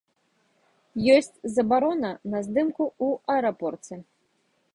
Ёсць забарона на здымку ў аэрапорце.